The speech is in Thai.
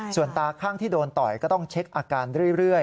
ส่วนตาข้างที่โดนต่อยก็ต้องเช็คอาการเรื่อย